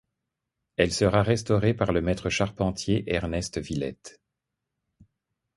Elle sera restaurée par le maître charpentier Ernest Villette.